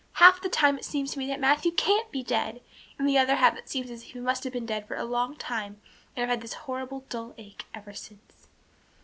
Half the time it seems to me that Matthew can't be dead; and the other half it seems as if he must have been dead for a long time and I've had this horrible dull ache ever since."